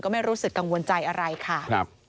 ไม่รู้สึกกังวลใจอะไรค่ะ